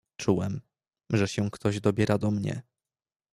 "Czułem, że się ktoś dobiera do mnie."